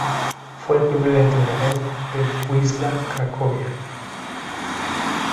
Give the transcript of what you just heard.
Fue el primer entrenador del Wisła Cracovia.